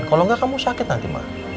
kalau enggak kamu sakit nanti pak